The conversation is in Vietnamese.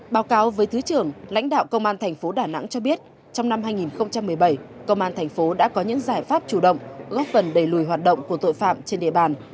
báo cáo với thứ trưởng lãnh đạo công an thành phố đà nẵng cho biết trong năm hai nghìn một mươi bảy công an thành phố đã có những giải pháp chủ động góp phần đẩy lùi hoạt động của tội phạm trên địa bàn